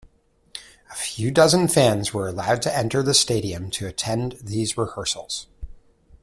A few dozen fans were allowed to enter the stadium to attend these rehearsals.